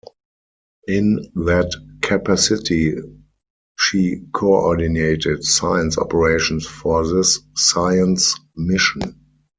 In that capacity she coordinated science operations for this science mission.